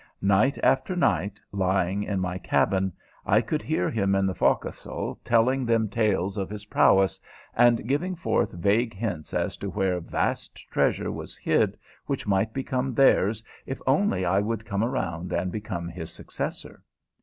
Night after night, lying in my cabin, I could hear him in the forecastle telling them tales of his prowess, and giving forth vague hints as to where vast treasure was hid which might become theirs if only I would come around and become his successor.